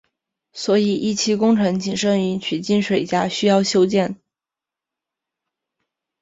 所以一期工程仅剩引渠进水闸需要修建。